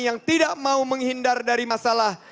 yang tidak mau menghindar dari masalah